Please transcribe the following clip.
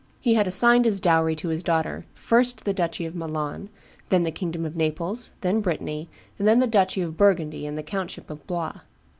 He had assigned as dowry to his daughter, first the duchy of Milan, then the kingdom of Naples, then Brittany, and then the duchy of Burgundy and the countship of Blois.